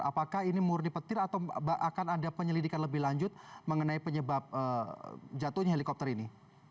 apakah ini murni petir atau akan ada penyelidikan lebih lanjut mengenai penyebab jatuhnya helikopter ini